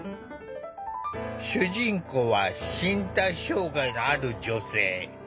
主人公は身体障害のある女性。